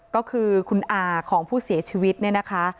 ก็คือคุณอาของผู้เสียชีวิตเนี่ยนะคะ